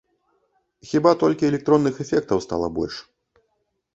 Хіба толькі электронных эфектаў стала больш.